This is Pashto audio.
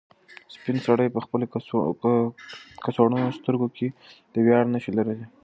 سپین سرې په خپل کڅوړنو سترګو کې د ویاړ نښې لرلې.